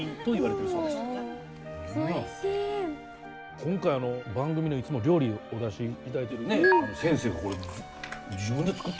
今回あの番組でいつも料理お出しいただいてるね先生が自分で作った。